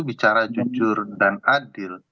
bicara jujur dan adil